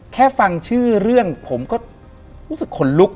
แค่ฟังชื่อเรื่องผมก็รู้สึกขนลุก